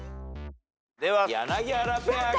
では柳原ペアから。